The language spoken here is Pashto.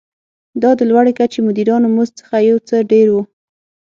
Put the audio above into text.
دا د لوړې کچې مدیرانو مزد څخه یو څه ډېر و.